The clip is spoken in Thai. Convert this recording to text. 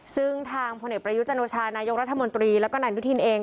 ซึ่งทางพลเอกประยุจันโอชานายกรัฐมนตรีแล้วก็นายอนุทินเอง